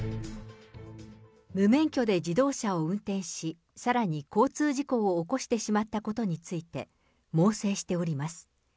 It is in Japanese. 無免許で自動車を運転し、さらに交通事故を起こしてしまったことについて猛省しております。